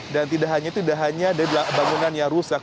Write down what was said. dan tidak hanya itu tidak hanya ada bangunan yang rusak